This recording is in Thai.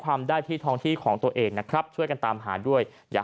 ความได้ที่ท้องที่ของตัวเองนะครับช่วยกันตามหาด้วยอย่า